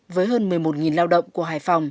với hơn một mươi một lao động của hải phòng